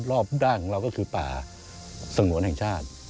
ด้านของเราก็คือป่าสงวนแห่งชาติ